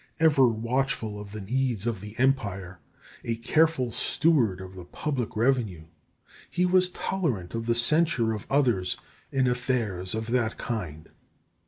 Ever watchful of the needs of the Empire, a careful steward of the public revenue, he was tolerant of the censure of others in affairs of that kind.